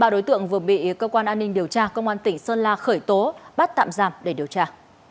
ba đối tượng vừa bị cơ quan an ninh điều tra công an tỉnh sơn la khởi tố bắt tạm giam để điều tra